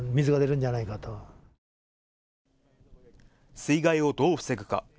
水害をどう防ぐか。